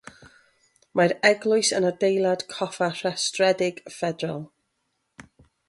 Mae'r eglwys yn adeilad coffa rhestredig ffederal.